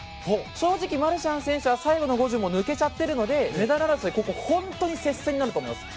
正直、マルシャン選手は最後の５０抜けちゃっているのでメダル争いは接戦になると思います。